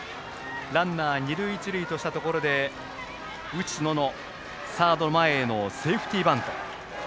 ランナー、二塁一塁としたところ打野のサード前へのセーフティーバント。